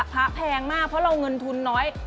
แพงมากเพราะเราเงินทุนน้อย